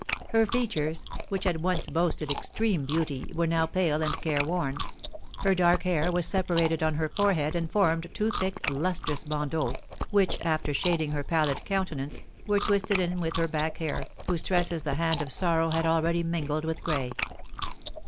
Her features, which had once boasted extreme beauty, were now pale and careworn; her dark hair was separated on her forehead, and formed two thick, lustrous bandeaux, which, after shading her pallid countenance, were twisted in with her back hair, whose tresses the hand of sorrow had already mingled with gray.